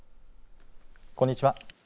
こんにちは。